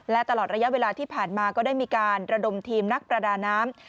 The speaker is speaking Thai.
และตลอดระยะเวลาที่ผ่านมาก็ได้มีการระดมทีมนักประดาน้ำ